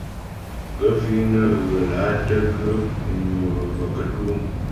Gaə̂ fíŋ nə́ ghə́ lǎ tə́ ghə́ mnwə və̀və̀ kətú' ?